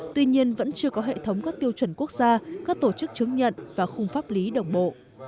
tuy nhiên vẫn chưa có hệ thống các tiêu chuẩn quốc gia các tổ chức chứng nhận và khung pháp lý đồng bộ